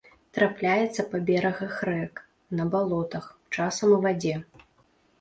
Трапляецца па берагах рэк, на балотах, часам у вадзе.